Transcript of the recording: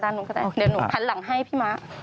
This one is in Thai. เดี๋ยวหนูถันหลังให้พี่ม้า